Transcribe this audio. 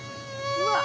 うわっ。